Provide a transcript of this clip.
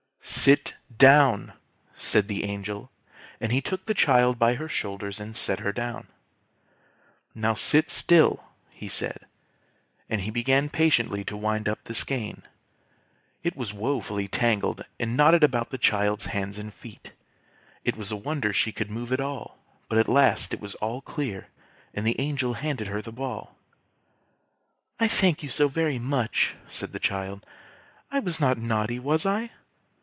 "SIT DOWN!" said the Angel; and he took the child by her shoulders and set her down. "Now sit still!" he said, and he began patiently to wind up the skein. It was wofully tangled, and knotted about the child's hands and feet; it was a wonder she could move at all; but at last it was all clear, and the Angel handed her the ball. "I thank you so very much!" said the child. "I was not naughty, was I?"